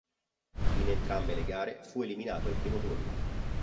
In entrambe le gare fu eliminato al primo turno.